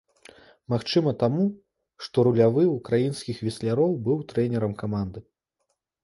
Магчыма таму, што рулявы ўкраінскіх весляроў быў трэнерам каманды.